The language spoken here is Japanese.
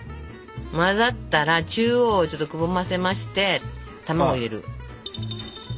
混ざったら中央をちょっとくぼませまして卵を入れる。